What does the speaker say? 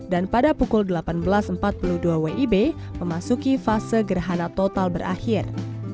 dan pada pukul delapan belas empat puluh dua wib memasuki fase gerhana total berakhir